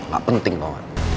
gak penting dong